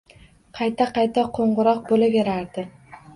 Qayta qayta qo'ng'iroq bo'laverardi